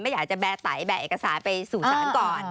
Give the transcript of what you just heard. อยากจะแบร์ไตแบกเอกสารไปสู่ศาลก่อน